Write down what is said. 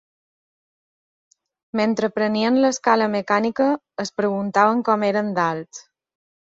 Mentre prenien l'escala mecànica, es preguntaven com eren d'alts.